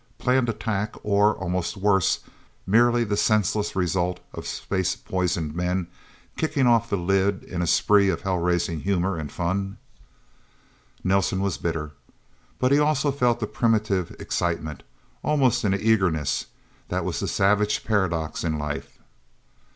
Planned attack or almost worse merely the senseless result of space poisoned men kicking off the lid in a spree of hell raising humor and fun? Nelsen was bitter. But he also felt the primitive excitement almost an eagerness. That was the savage paradox in life.